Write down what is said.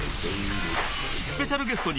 ［スペシャルゲストに］